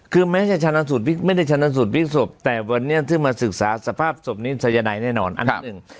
คือแม้จะชนะสูตรไม่ได้ชนะสูตรพลิกศพแต่วันนี้ที่มาศึกษาสภาพศพนี้สายนายแน่นอนอันที่หนึ่ง